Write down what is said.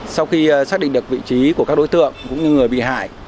sau khi xác định được vị trí của các đối tượng cũng như người bị hại